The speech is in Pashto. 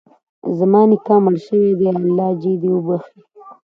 زما نیکه مړ شوی ده، الله ج د وبښي